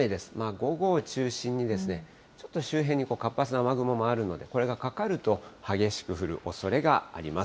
午後を中心にですね、ちょっと周辺に活発な雨雲もあるので、これがかかると激しく降るおそれがあります。